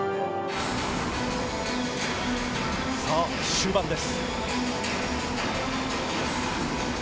終盤です。